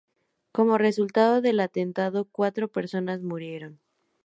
Como resultado del atentado cuatro personas murieron.